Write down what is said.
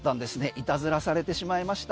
イタズラされてしまいました。